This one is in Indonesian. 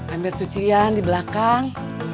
ember cucian di belakang